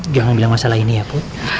jangan bilang masalah ini ya put